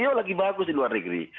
harga cto lagi bagus di luar negeri